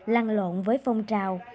lăn lộn với phong trào